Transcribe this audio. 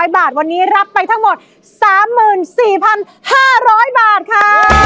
๐บาทวันนี้รับไปทั้งหมด๓๔๕๐๐บาทค่ะ